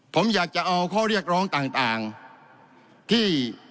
ผมอยากจะเอาข้อเรียกร้องต่างที่